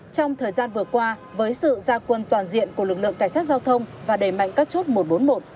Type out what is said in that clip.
trong thời gian vừa qua với sự gia quân toàn diện của lực lượng cảnh sát giao thông và đề mạnh các chốt một trăm bốn mươi một